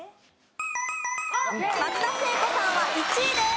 松田聖子さんは１位です。